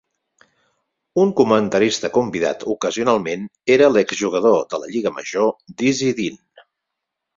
Un comentarista convidat ocasionalment era l'exjugador de la lliga major Dizzy Dean.